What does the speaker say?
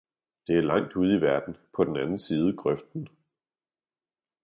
Det er langt ude i verden, på den anden side grøften!